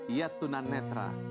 ia tunan netra